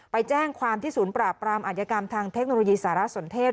ไปแจ้งความที่ศูนย์ปราบปรามอัธยกรรมทางเทคโนโลยีสารสนเทศ